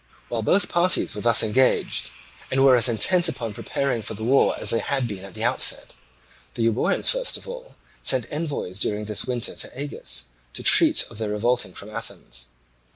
While both parties were thus engaged, and were as intent upon preparing for the war as they had been at the outset, the Euboeans first of all sent envoys during this winter to Agis to treat of their revolting from Athens.